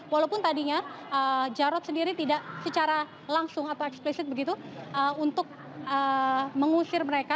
walaupun tadinya jarod sendiri tidak secara langsung atau eksplisit begitu untuk mengusir mereka